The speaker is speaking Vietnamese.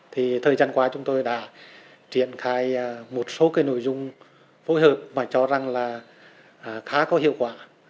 thì thời gian qua chúng tôi đã triển khai một số cái nội dung phối hợp và cho rằng là khá có hiệu quả